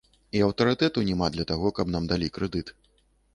І аўтарытэту няма для таго, каб нам далі крэдыт.